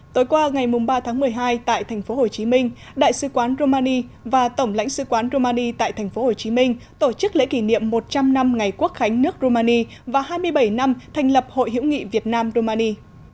tối qua ngày ba tháng một mươi hai tại tp hcm đại sứ quán romani và tổng lãnh sứ quán romani tại tp hcm tổ chức lễ kỷ niệm một trăm linh năm ngày quốc khánh nước romani và hai mươi bảy năm thành lập hội hữu nghị việt nam romani